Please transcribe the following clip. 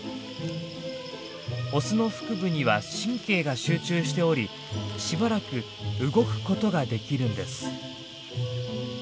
オスの腹部には神経が集中しておりしばらく動くことができるんです。